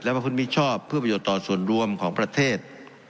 ประพฤติมิชชอบเพื่อประโยชน์ต่อส่วนรวมของประเทศ